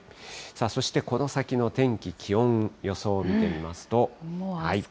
そしてこの先の天気と気温、予想見てみますと。